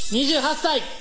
２８歳！